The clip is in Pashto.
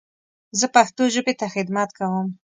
زه پښتو ژبې ته خدمت کوم.